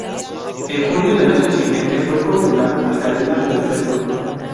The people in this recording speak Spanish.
En junio del año siguiente fue condenado a cadena perpetua.